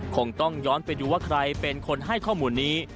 คงต้องย้อนไปดูว่าใครเป็นคนให้ข้อมูลนี้